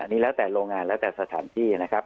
นี่แล้วแต่โรงงานแล้วแต่สถานที่นะครับ